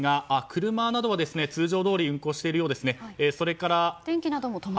車などは通常どおり運行しているようです。